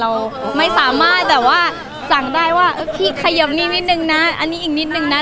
เราไม่สามารถแบบว่าสั่งได้ว่าพี่ขยบนี้นิดนึงนะอันนี้อีกนิดนึงนะ